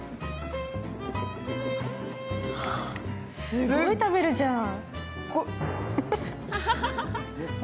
すっごい食べるじゃん。